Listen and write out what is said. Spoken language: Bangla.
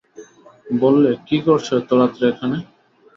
বললে, কী করছ এত রাত্রে এখানে?